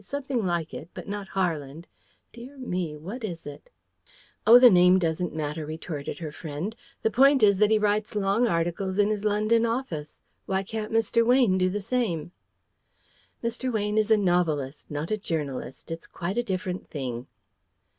"Something like it, but not Harland. Dear me, what is it?" "Oh, the name doesn't matter," retorted her friend. "The point is that he writes long articles in his London office. Why can't Mr. Weyne do the same?" "Mr. Weyne is a novelist not a journalist. It's quite a different thing."